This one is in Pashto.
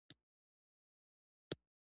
هغه د ننوتلو تڼۍ کیکاږله او په دقت یې غوږ ونیو